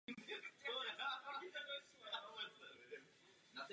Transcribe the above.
Zajišťuje i přepravu cestujících do komerční zóny Rudná a průmyslové zóny Žebrák.